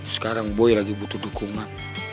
sekarang boy lagi butuh dukungan